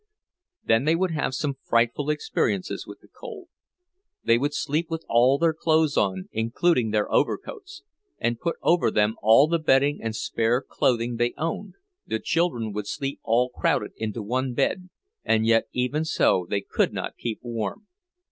Then they would have some frightful experiences with the cold. They would sleep with all their clothes on, including their overcoats, and put over them all the bedding and spare clothing they owned; the children would sleep all crowded into one bed, and yet even so they could not keep warm.